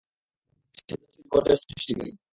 সে তো ছিল বিপর্যয় সৃষ্টিকারী।